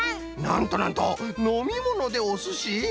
なんとなんと！のみものでおすし？